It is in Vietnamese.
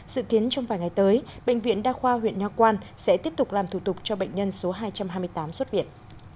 dự kiến trong vài ngày tới bệnh viện đa khoa huyện nho quan sẽ tiếp tục làm thủ tục cho bệnh nhân số hai trăm hai mươi tám xuất viện